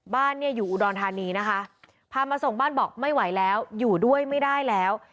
บ้านเนี่ยอยู่อุดรธานีนะคะพามาส่งบ้านบอกไม่ไหวแล้วอยู่ด้วยไม่ได้แล้ว